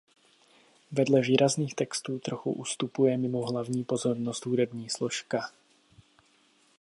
Vedle výrazných textů trochu ustupuje mimo hlavní pozornost hudební složka.